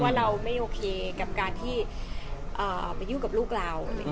เราไม่โอเคกับการที่ไปยุ่งกับลูกเรา